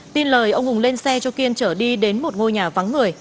tin lời ông hùng lên xe cho kiên trở đi đến một ngôi nhà vắng người